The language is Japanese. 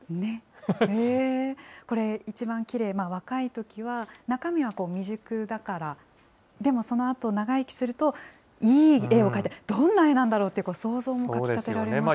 これ一番きれい、若いときは、中身は未熟だから、でもそのあと、長生きすると、いい絵を描いた、どんな絵なんだろうって、想像もかき立てられますね。